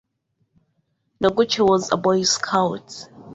Noguchi was a Boy Scout.